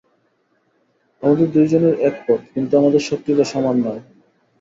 আমাদের দুইজনের এক পথ– কিন্তু আমাদের শক্তি তো সমান নয়।